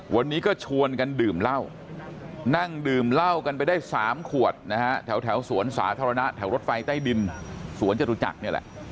วันนี้ก็ชวนกันดื่มเวลานั่งดื่มเวลาไปได้๓ขวดแถวสวนสารณะแถวรถไฟใต้ดินสวนเจ้าตุจักรเนี่ยแหละ